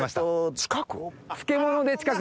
近く？